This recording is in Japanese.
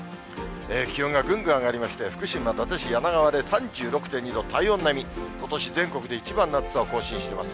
気温がぐんぐん上がりまして、福島・伊達市梁川で３６．２度、体温並み、ことし全国で一番の暑さを更新しています。